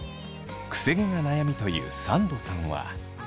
くせ毛が悩みというサンドさんは。